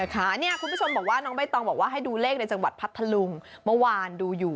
คุณผู้ชมบอกว่าน้องใบตองบอกว่าให้ดูเลขในจังหวัดพัทธลุงเมื่อวานดูอยู่